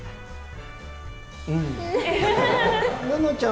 うん。